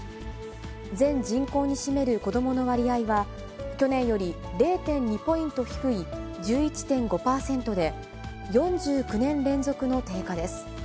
全人口に占める子どもの割合は、去年より０．２ポイント低い１１．５％で、４９年連続の低下です。